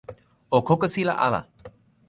o kokosila ala!